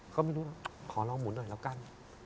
ก็ไม่รู้ว่าขอลองหมุนหน่อยแล้วกัน